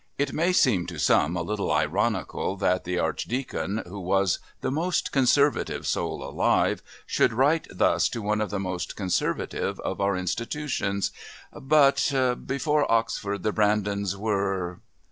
It may seem to some a little ironical that the Archdeacon, who was the most conservative soul alive, should write thus to one of the most conservative of our institutions, but "Before Oxford the Brandons were...."